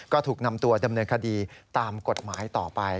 ก็ถูกนำตัวดำเนินคดีตามกฎหมายต่อไป